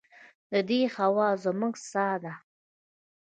د دې هوا زموږ ساه ده